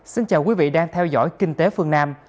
xin chào quý vị đang theo dõi kinh tế phương nam